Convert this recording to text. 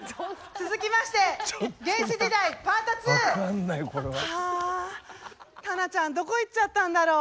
続きまして「原始時代パート２」。はあたなちゃんどこ行っちゃったんだろう？